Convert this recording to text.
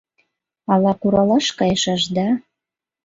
Ала куралаш кайышаш да